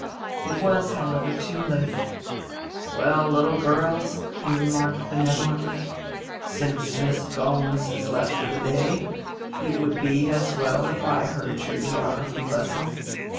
It was, however, too late. "Well, little girls," he remarked benevolently, "since Miss Gomes has left for the day it would be as well if I heard your geography lesson."